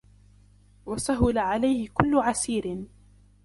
وَسَهُلَ عَلَيْهِ كُلُّ عَسِيرٍ